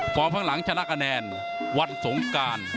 พร้อมข้างหลังชนะคะแนนวัตต์สงการ